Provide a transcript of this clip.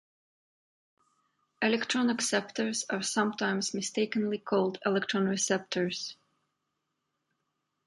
Electron acceptors are sometimes mistakenly called electron receptors.